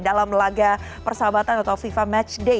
dalam laga persahabatan atau fifa match day